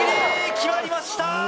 決まりました！